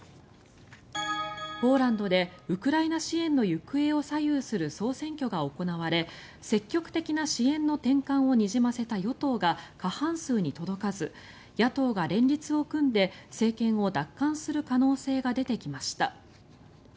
ポーランドでウクライナ支援の行方を左右する総選挙が行われ積極的な支援の転換をにじませた与党が過半数に届かず野党が連立を組んで政権を奪還する可能性が出てきました。